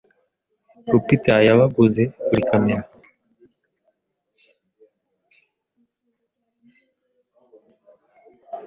Rupita yabaguze buri kamera.